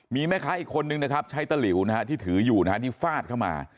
มีแม่ค้าอีกคนนึงนะครับใช้ตะหลิวนะฮะที่ถืออยู่ที่ฟาดเข้ามา